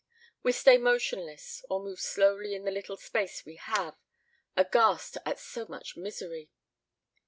We stay motionless, or move slowly in the little space we have, aghast at so much misery.